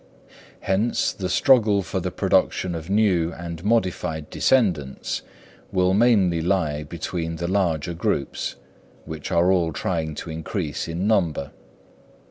Hence, the struggle for the production of new and modified descendants will mainly lie between the larger groups, which are all trying to increase in number.